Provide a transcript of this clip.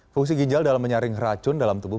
fungsi ginjal dalam menyaring racun dalam tubuh